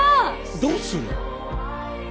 どうする！？